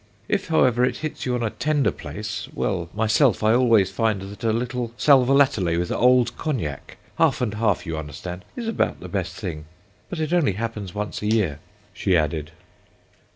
If, however, it hits you on a tender place—well, myself, I always find that a little sal volatile, with old cognac—half and half, you understand—is about the best thing. But it only happens once a year," she added.